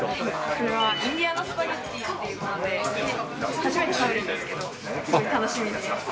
これはインディアンスパゲッティと言って初めて食べるんですけど、すごい楽しみです。